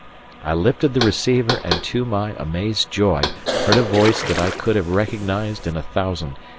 I lifted the receiver and to my amazed joy heard a voice that I could have recognized in a thousand.